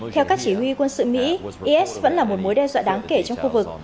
theo các chỉ huy quân sự mỹ is vẫn là một mối đe dọa đáng kể trong khu vực